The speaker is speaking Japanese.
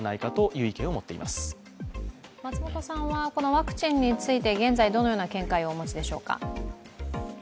ワクチンについて、現在どのような見解をお持ちでしょうか。